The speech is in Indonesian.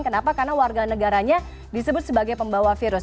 kenapa karena warga negaranya disebut sebagai pembawa virus